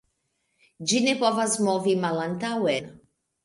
Ĝi ne povas movi malantaŭen.